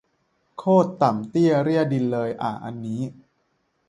โคตรต่ำเตี้ยเรี่ยดินเลยอะอันนี้